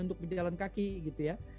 untuk berjalan kaki gitu ya